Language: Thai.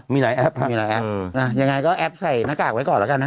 มีหลายแอปครับมีหลายแอปอย่างไรก็แอปใส่หน้ากากไว้ก่อนแล้วกันนะครับ